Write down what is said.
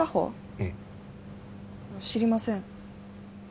ええ知りません